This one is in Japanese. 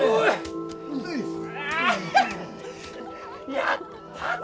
やったぞ！